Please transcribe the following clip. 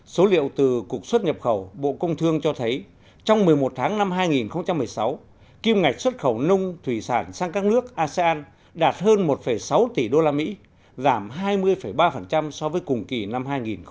số liệu từ cục xuất nhập khẩu bộ công thương cho thấy trong một mươi một tháng năm hai nghìn một mươi sáu kim ngạch xuất khẩu nông thủy sản sang các nước asean đạt hơn một sáu tỷ usd giảm hai mươi ba so với cùng kỳ năm hai nghìn một mươi tám